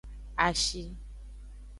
Ashi.